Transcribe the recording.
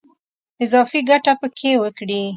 اضافي ګټه په کې وکړي.